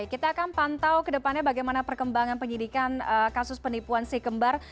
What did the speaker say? kita akan pantau kedepannya bagaimana perkembangan penyidikan kasus penipuan si kembar